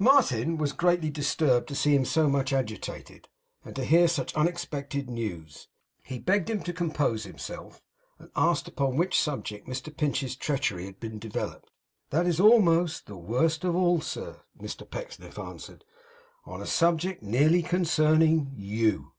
Martin was greatly disturbed to see him so much agitated, and to hear such unexpected news. He begged him to compose himself, and asked upon what subject Mr Pinch's treachery had been developed. 'That is almost the worst of all, sir,' Mr Pecksniff answered, 'on a subject nearly concerning YOU.